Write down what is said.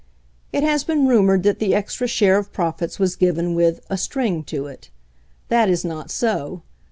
It has been rumored that the extra share of profits was given with "a string to it." That is not so.